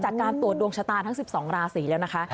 จากการตรวจดวงชะตาทั้ง๑๒ราศีแล้วนะคะ